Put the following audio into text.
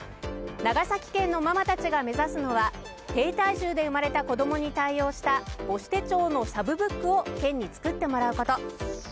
長崎県のママたちが目指すのは低体重で生まれた子供に対応した母子手帳のサブブックを県に作ってもらうこと。